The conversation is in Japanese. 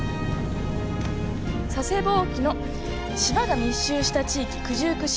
佐世保沖の、島が密集した地域九十九島。